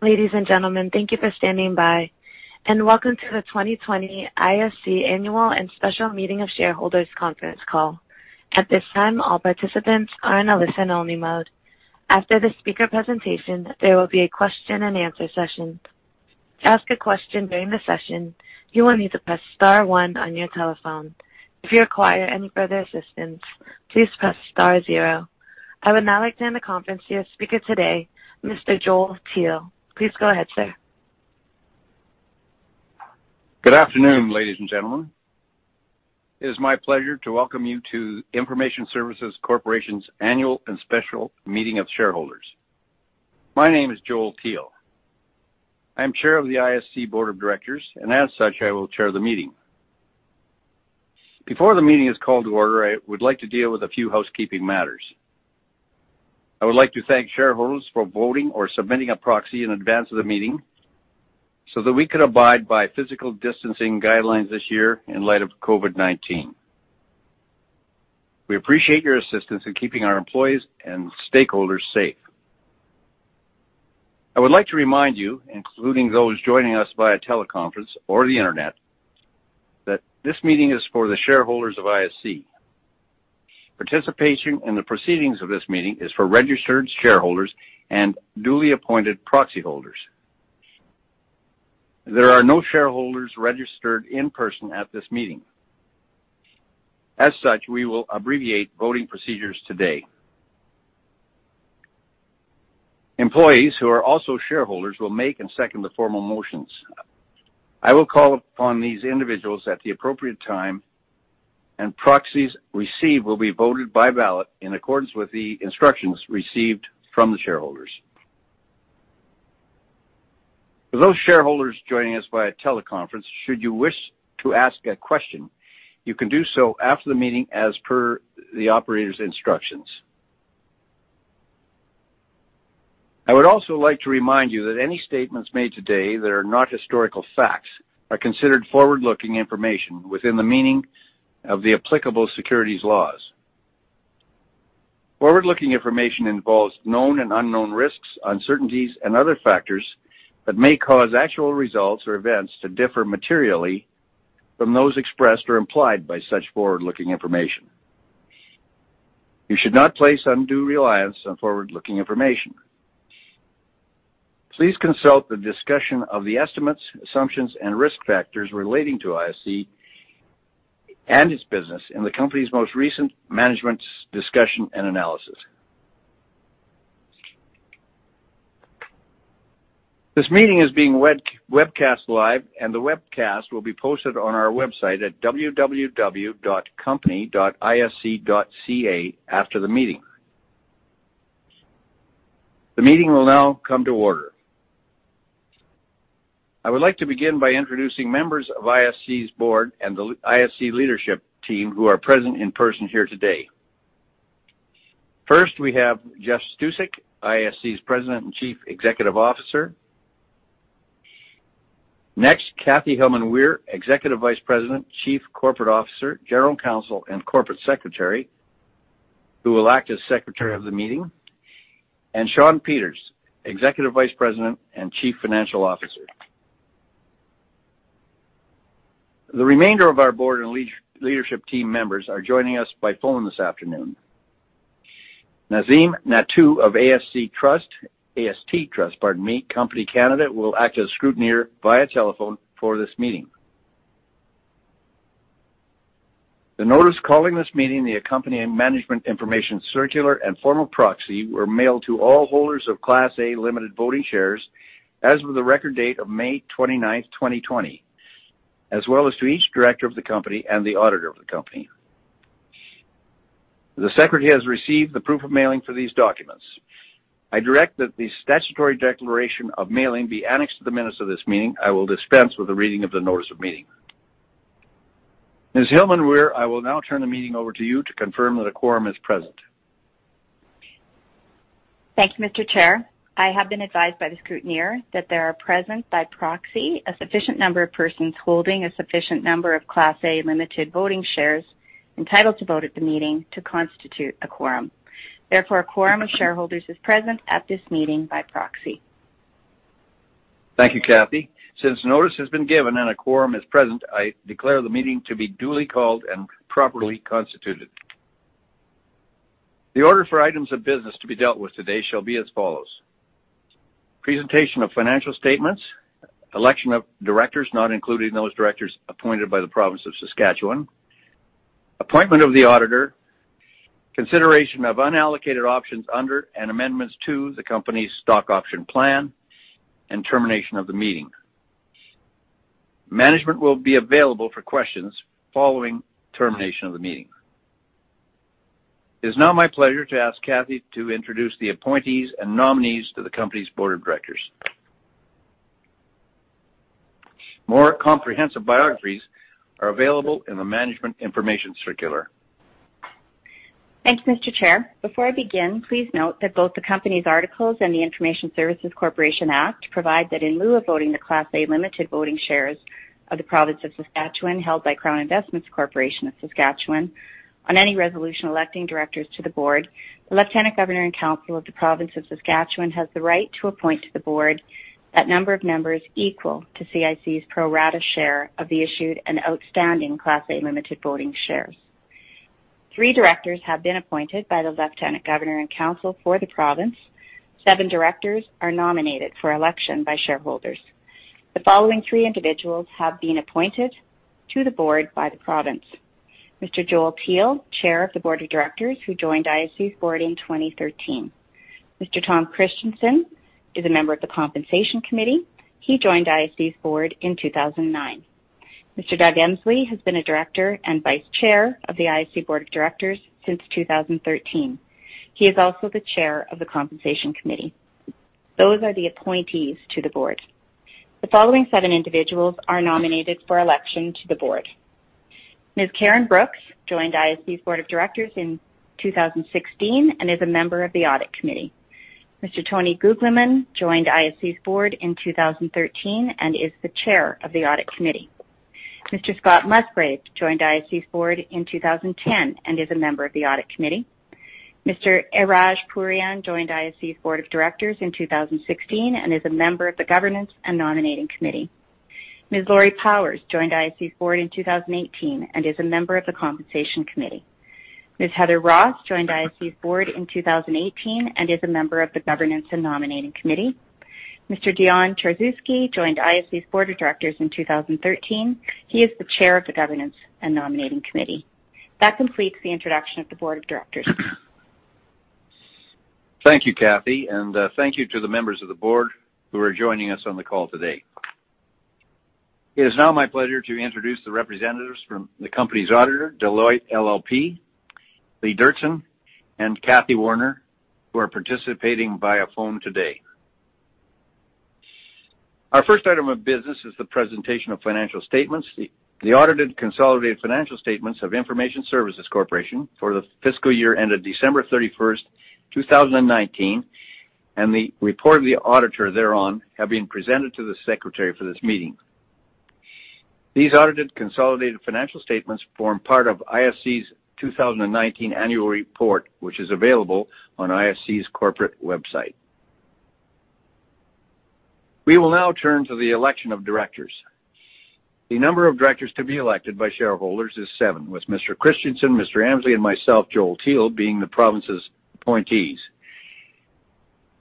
Ladies and gentlemen, thank you for standing by, welcome to the 2020 ISC Annual and Special Meeting of Shareholders conference call. At this time, all participants are in a listen-only mode. After the speaker presentation, there will be a question and answer session. To ask a question during the session, you will need to press star one on your telephone. If you require any further assistance, please press star zero. I would now like to hand the conference to your speaker today, Mr. Joel Teal. Please go ahead, sir. Good afternoon, ladies and gentlemen. It is my pleasure to welcome you to Information Services Corporation's Annual and Special Meeting of Shareholders. My name is Joel Teal. I am Chair of the ISC Board of Directors, and as such, I will chair the meeting. Before the meeting is called to order, I would like to deal with a few housekeeping matters. I would like to thank shareholders for voting or submitting a proxy in advance of the meeting so that we could abide by physical distancing guidelines this year in light of COVID-19. We appreciate your assistance in keeping our employees and stakeholders safe. I would like to remind you, including those joining us via teleconference or the internet, that this meeting is for the shareholders of ISC. Participation in the proceedings of this meeting is for registered shareholders and duly appointed proxy holders. There are no shareholders registered in person at this meeting. We will abbreviate voting procedures today. Employees who are also shareholders will make and second the formal motions. I will call upon these individuals at the appropriate time, and proxies received will be voted by ballot in accordance with the instructions received from the shareholders. For those shareholders joining us via teleconference, should you wish to ask a question, you can do so after the meeting as per the operator's instructions. I would also like to remind you that any statements made today that are not historical facts are considered forward-looking information within the meaning of the applicable securities laws. Forward-looking information involves known and unknown risks, uncertainties, and other factors that may cause actual results or events to differ materially from those expressed or implied by such forward-looking information. You should not place undue reliance on forward-looking information. Please consult the discussion of the estimates, assumptions and risk factors relating to ISC and its business in the company's most recent management's discussion and analysis. This meeting is being webcast live, and the webcast will be posted on our website at www.company.isc.ca after the meeting. The meeting will now come to order. I would like to begin by introducing members of ISC's board and the ISC leadership team who are present in person here today. First, we have Jeff Stusek, ISC's President and CEO. Next, Kathy Hillman-Weir, EVP, Chief Corporate Officer, General Counsel, and Corporate Secretary, who will act as Secretary of the meeting, and Sean Peters, EVP and CFO. The remainder of our board and leadership team members are joining us by phone this afternoon. Nazim Natu of AST Trust Company (Canada) will act as scrutineer via telephone for this meeting. The notice calling this meeting, the accompanying management information circular and formal proxy were mailed to all holders of Class A limited voting shares as of the record date of May 29th, 2020, as well as to each director of the company and the auditor of the company. The secretary has received the proof of mailing for these documents. I direct that the statutory declaration of mailing be annexed to the minutes of this meeting. I will dispense with the reading of the notice of meeting. Ms. Hillman-Weir, I will now turn the meeting over to you to confirm that a quorum is present. Thank you, Mr. Chair. I have been advised by the scrutineer that there are present by proxy a sufficient number of persons holding a sufficient number of Class A limited voting shares entitled to vote at the meeting to constitute a quorum. Therefore, a quorum of shareholders is present at this meeting by proxy. Thank you, Kathy. Since notice has been given and a quorum is present, I declare the meeting to be duly called and properly constituted. The order for items of business to be dealt with today shall be as follows: presentation of financial statements, election of directors, not including those directors appointed by the province of Saskatchewan, appointment of the auditor, consideration of unallocated options under and amendments to the company's stock option plan, and termination of the meeting. Management will be available for questions following termination of the meeting. It is now my pleasure to ask Kathy to introduce the appointees and nominees to the company's board of directors. More comprehensive biographies are available in the management information circular. Thanks, Mr. Chair. Before I begin, please note that both the company's articles and the Information Services Corporation Act provide that in lieu of voting, the Class A limited voting shares of the province of Saskatchewan held by Crown Investments Corporation of Saskatchewan. On any resolution electing directors to the board, the Lieutenant Governor in Council of the province of Saskatchewan has the right to appoint to the board that number of members equal to ISC's pro rata share of the issued and outstanding Class A limited voting shares. Three directors have been appointed by the Lieutenant Governor in Council for the province. Seven directors are nominated for election by shareholders. The following three individuals have been appointed to the board by the province. Mr. Joel Teal, chair of the board of directors, who joined ISC's board in 2013. Mr. Tom Christiansen is a member of the compensation committee. He joined ISC's board in 2009. Mr. Doug Emsley has been a director and vice chair of the ISC board of directors since 2013. He is also the chair of the compensation committee. Those are the appointees to the board. The following seven individuals are nominated for election to the Board. Ms. Karen Brooks joined ISC's Board of Directors in 2016 and is a member of the Audit Committee. Mr. Tony Guglielmin joined ISC's Board in 2013 and is the Chair of the Audit Committee. Mr. Scott Musgrave joined ISC's Board in 2010 and is a member of the Audit Committee. Mr. Iraj Pourian joined ISC's Board of Directors in 2016 and is a member of the Governance and Nominating Committee. Ms. Lori Powers joined ISC's Board in 2018 and is a member of the Compensation Committee. Ms. Heather Ross joined ISC's Board in 2018 and is a member of the Governance and Nominating Committee. Mr. Dion Tchorzewski joined ISC's Board of Directors in 2013. He is the Chair of the Governance and Nominating Committee. That completes the introduction of the Board of Directors. Thank you, Kathy, and thank you to the members of the board who are joining us on the call today. It is now my pleasure to introduce the representatives from the company's auditor, Deloitte LLP, Lee Dertsen and Kathy Warner, who are participating via phone today. Our first item of business is the presentation of financial statements. The audited consolidated financial statements of Information Services Corporation for the fiscal year ended December 31st, 2019, and the report of the auditor thereon have been presented to the secretary for this meeting. These audited consolidated financial statements form part of ISC's 2019 annual report, which is available on ISC's corporate website. We will now turn to the election of directors. The number of directors to be elected by shareholders is seven, with Mr. Christiansen, Mr. Emsley, and myself, Joel Teal, being the province's appointees.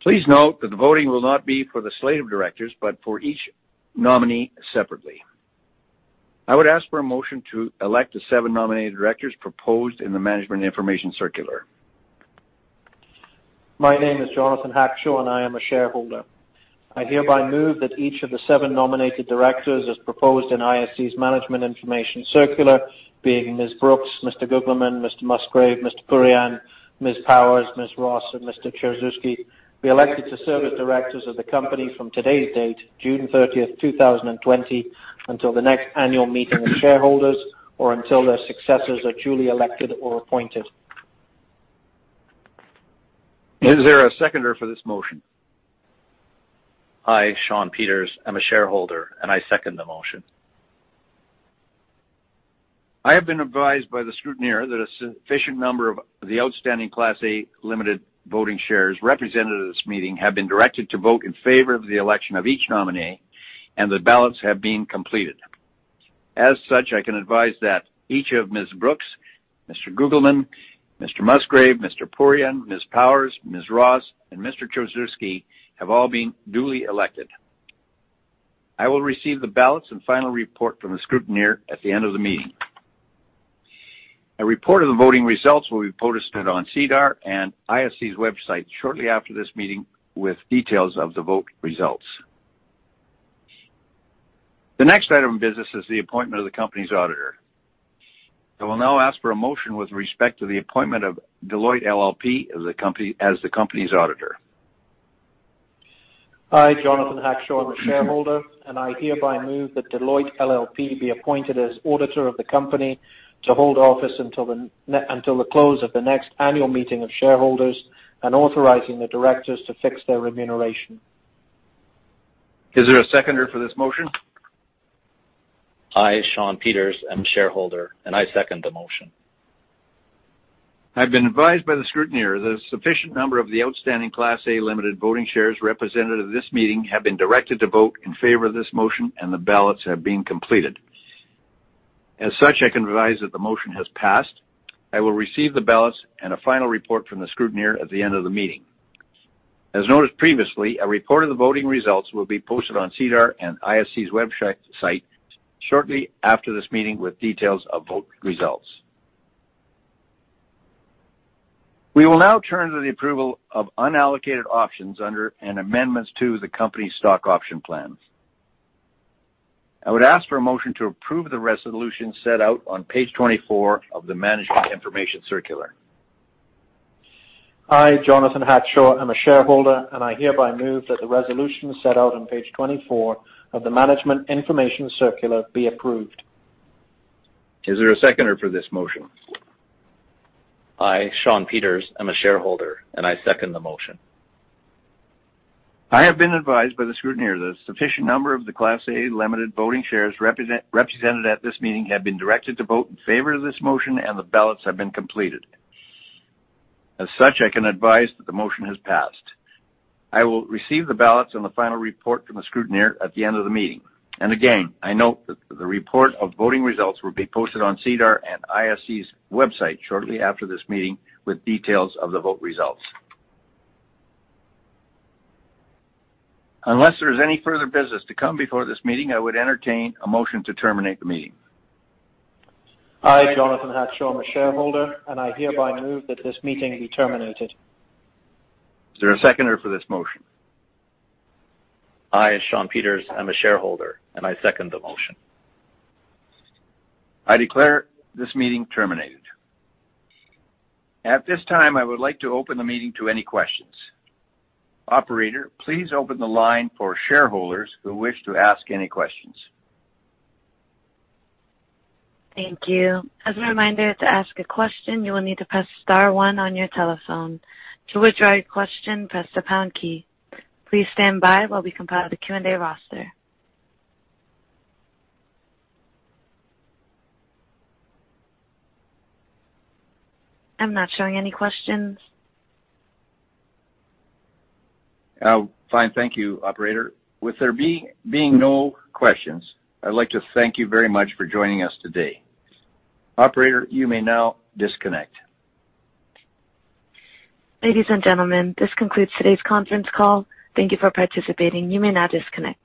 Please note that the voting will not be for the slate of directors, but for each nominee separately. I would ask for a motion to elect the seven nominated directors proposed in the management information circular. My name is Jonathan Hackshaw, and I am a shareholder. I hereby move that each of the seven nominated directors, as proposed in ISC's management information circular, being Ms. Brooks, Mr. Guglielmin, Mr. Musgrave, Mr. Pourian, Ms. Powers, Ms. Ross, and Mr. Tchorzewski, be elected to serve as directors of the company from today's date, June 30th, 2020, until the next annual meeting of shareholders or until their successors are duly elected or appointed. Is there a seconder for this motion? Hi. Sean Peters. I'm a shareholder, and I second the motion. I have been advised by the scrutineer that a sufficient number of the outstanding Class A limited voting shares represented at this meeting have been directed to vote in favor of the election of each nominee, and the ballots have been completed. As such, I can advise that each of Ms. Brooks, Mr. Guglielmin, Mr. Musgrave, Mr. Pourian, Ms. Powers, Ms. Ross, and Mr. Tchorzewski have all been duly elected. I will receive the ballots and final report from the scrutineer at the end of the meeting. A report of the voting results will be posted on SEDAR and ISC's website shortly after this meeting with details of the vote results. The next item of business is the appointment of the company's auditor. I will now ask for a motion with respect to the appointment of Deloitte LLP as the company's auditor. I, Jonathan Hackshaw, am a shareholder, and I hereby move that Deloitte LLP be appointed as auditor of the company to hold office until the close of the next annual meeting of shareholders and authorizing the directors to fix their remuneration. Is there a seconder for this motion? I, Sean Peters, am a shareholder, and I second the motion. I've been advised by the scrutineer that a sufficient number of the outstanding Class A limited voting shares represented at this meeting have been directed to vote in favor of this motion, and the ballots have been completed. As such, I can advise that the motion has passed. I will receive the ballots and a final report from the scrutineer at the end of the meeting. As noted previously, a report of the voting results will be posted on SEDAR and ISC's website shortly after this meeting with details of vote results. We will now turn to the approval of unallocated options under, and amendments to, the company's stock option plan. I would ask for a motion to approve the resolution set out on page 24 of the management information circular. I, Jonathan Hackshaw, am a shareholder, and I hereby move that the resolution set out on page 24 of the management information circular be approved. Is there a seconder for this motion? I, Sean Peters, am a shareholder, and I second the motion. I have been advised by the scrutineer that a sufficient number of the Class A limited voting shares represented at this meeting have been directed to vote in favor of this motion, and the ballots have been completed. As such, I can advise that the motion has passed. I will receive the ballots and the final report from the scrutineer at the end of the meeting. Again, I note that the report of voting results will be posted on SEDAR and ISC's website shortly after this meeting with details of the vote results. Unless there is any further business to come before this meeting, I would entertain a motion to terminate the meeting. I, Jonathan Hackshaw, am a shareholder, and I hereby move that this meeting be terminated. Is there a seconder for this motion? I, Sean Peters, am a shareholder, and I second the motion. I declare this meeting terminated. At this time, I would like to open the meeting to any questions. Operator, please open the line for shareholders who wish to ask any questions. Thank you. As a reminder, to ask a question, you will need to press star one on your telephone. To withdraw your question, press the pound key. Please stand by while we compile the Q&A roster. I'm not showing any questions. Fine. Thank you, operator. With there being no questions, I'd like to thank you very much for joining us today. Operator, you may now disconnect. Ladies and gentlemen, this concludes today's conference call. Thank you for participating. You may now disconnect.